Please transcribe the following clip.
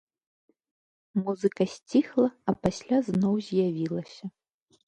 Музыка сціхла, а пасля зноў з'явілася.